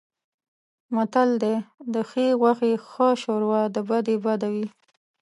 متل دی: د ښې غوښې ښه شوروا د بدې بده وي.